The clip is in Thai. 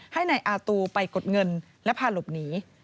ให้นายอาตูไปกดเงินและพาหลบหนี